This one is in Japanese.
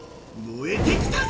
燃えてきたぜ！